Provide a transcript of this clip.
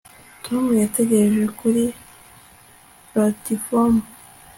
Tom yategereje kuri platifomu